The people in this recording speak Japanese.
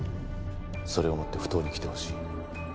それを持って埠頭に来てほしい。